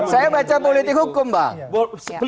loh saya baca politik hukum pak